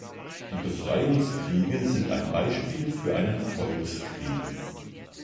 Die Befreiungskriege sind ein Beispiel für einen Volkskrieg.